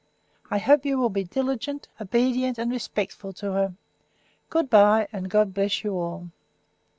I hope you will be diligent, obedient, and respectful to her. Good bye, and God bless you all."